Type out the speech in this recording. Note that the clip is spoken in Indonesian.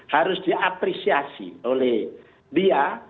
harus diapresiasi oleh dia